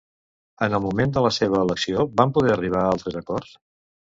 En el moment de la seva elecció van poder arribar a altres acords?